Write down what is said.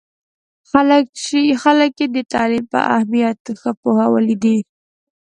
خلک یې د تعلیم په اهمیت ښه پوهولي دي.